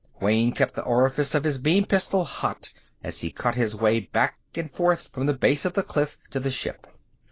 Wayne kept the orifice of his beam pistol hot as he cut his way back and forth from the base of the cliff to the ship.